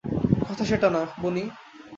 কথা সেটা না, বনি।